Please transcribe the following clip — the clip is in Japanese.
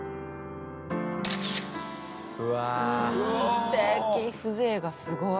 すてき風情がすごい。